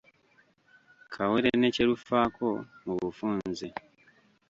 Kawere ne kye lufaako mu bufunze